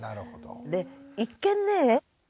で一見ね